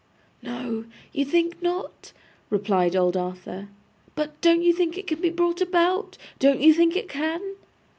'No, you think not?' replied old Arthur. 'But don't you think it can be brought about? Don't you think it can?